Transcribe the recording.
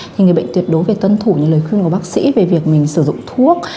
thì người bệnh tuyệt đối phải tuân thủ những lời khuyên của bác sĩ về việc mình sử dụng thuốc